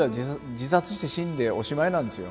自殺して死んでおしまいなんですよ。